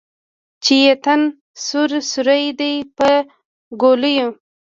چې یې تن سوری سوری دی پر ګولیو